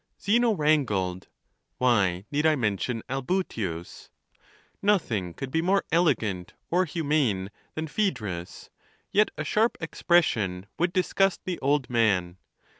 Zeno wrangled. Why need I mention Albutius? Nothing could be more elegant or humane than Phsedrus ; yet a sharp expression would dis gust the old man.